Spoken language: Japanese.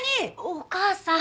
お母さん。